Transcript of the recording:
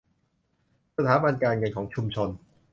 สถาบันการเงินของชุมชน